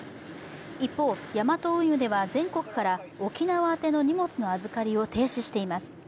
一方、ヤマト運輸では全国から沖縄宛ての荷物の預かりを停止しています。